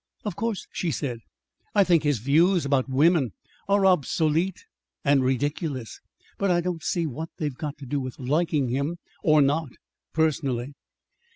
"Of course," she said, "I think his views about women are obsolete and ridiculous. But I don't see what they've got to do with liking him or not, personally."